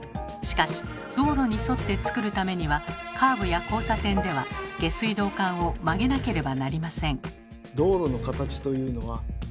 しかし道路に沿ってつくるためにはカーブや交差点では下水道管を曲げなければなりません。